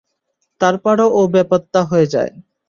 তারপর ও বেপাত্তা হয়ে যায়।